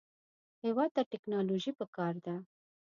هېواد ته ټیکنالوژي پکار ده